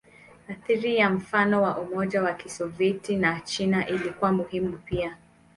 Athira ya mfano wa Umoja wa Kisovyeti na China ilikuwa muhimu pia.